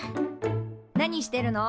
何してるの？